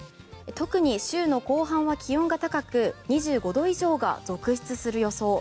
特に週の後半は気温が高く２５度以上が続出する予想。